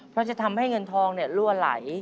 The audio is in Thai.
เพราะจะทำให้เงินทองรั่วไหล